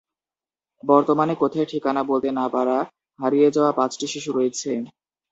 বর্তমানে কোথায় ঠিকানা বলতে না পারা হারিয়ে যাওয়া পাঁচটি শিশু রয়েছে?